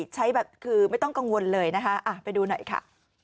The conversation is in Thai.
ใช้แบบคือไม่ต้องกังวลเลยนะคะไปดูหน่อยค่ะ